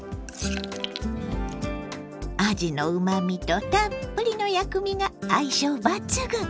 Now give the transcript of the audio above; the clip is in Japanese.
あじのうまみとたっぷりの薬味が相性抜群！